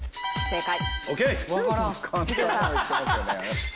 正解。